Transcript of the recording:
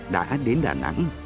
đã đến đà nẵng